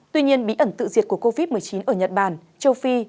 tuy nhiên bí ẩn tự diệt của covid một mươi chín ở nhật bản châu phi